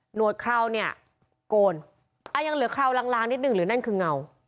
วดเคราวเนี่ยโกนอ่ายังเหลือเคราวลางนิดนึงหรือนั่นคือเงา